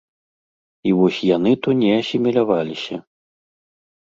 І вось яны то не асіміляваліся.